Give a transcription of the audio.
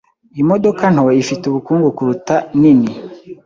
Imodoka nto ifite ubukungu kuruta nini.